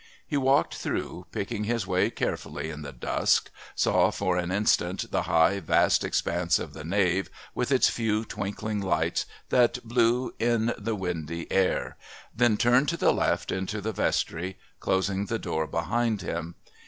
He walked through, picking his way carefully in the dusk, saw for an instant the high, vast expanse of the nave with its few twinkling lights that blew in the windy air, then turned to the left into the Vestry, closing the door behind him.